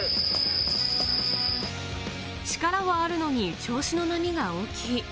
力はあるのに調子の波が大きい。